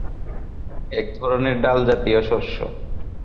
একধরনের ডাল জাতীয় শস্য।